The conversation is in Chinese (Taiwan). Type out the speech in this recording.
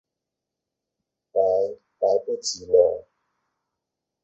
來、來不及了